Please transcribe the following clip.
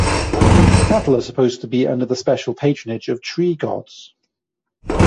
Cattle are supposed to be under the special patronage of tree-gods.